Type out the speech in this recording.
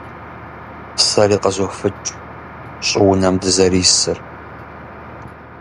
Сэри къызофыкӀ щӀыунэм дызэрисыр.